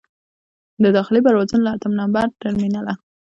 د داخلي پروازونو له اتم نمبر ټرمینله.